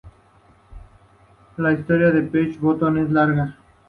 La historia de Peach Bottom es larga.